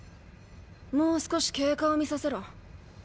もう少し経過を見させろ。